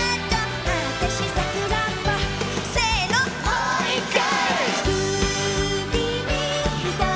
もう１回！